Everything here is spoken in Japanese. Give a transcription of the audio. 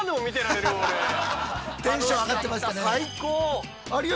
テンション上がってましたね。